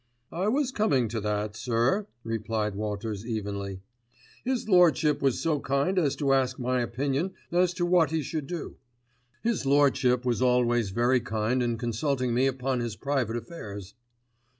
"I was coming to that, sir," replied Walters evenly. "His Lordship was so kind as to ask my opinion as to what he should do. His Lordship was always very kind in consulting me upon his private affairs."